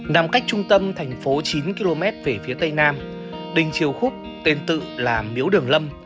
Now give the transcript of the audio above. nằm cách trung tâm thành phố chín km về phía tây nam đình triều khúc tên tự là miếu đường lâm